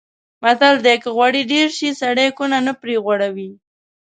متل دی: که غوړي ډېر شي سړی کونه نه پرې غوړوي.